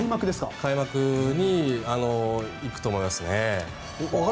開幕に行くと思いますね。